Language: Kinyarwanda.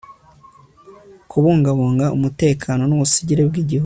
kubungabunga umutekano n'ubusugire bw'igihugu